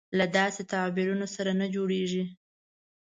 له داسې تعبیرونو سره نه جوړېږي.